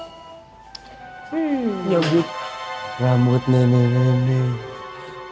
hmm nyebut rambut nenek nenek